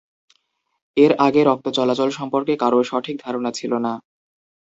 এর আগে রক্ত চলাচল সম্পর্কে কারও সঠিক ধারণা ছিল না।